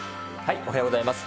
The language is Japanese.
おはようございます。